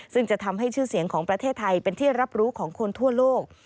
ซึ่งจะทำให้ชื่อเสียงของประเทศไทยเป็นที่รับรู้ของคนทั่วโลก